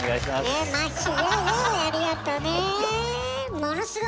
ありがとね。